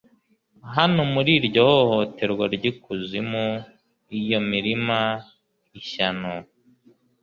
hano muri iryo hohoterwa ry'ikuzimu, iyo mirima ishyano